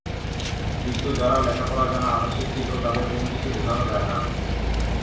কিন্তু যারা লেখাপড়া জানা আধাশিক্ষিত, তাদের কোনো কিছু বোঝানো যায় না।